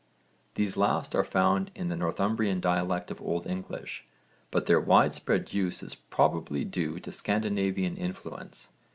These last are found in the Northumbrian dialect of Old English but their widespread use is probably due to Scandinavian influence.